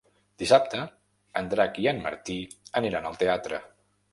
Dissabte en Drac i en Martí aniran al teatre.